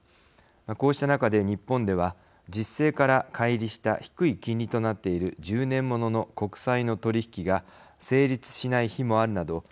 こうした中で、日本では実勢からかい離した低い金利となっている１０年ものの国債の取り引きが成立しない日もあるなど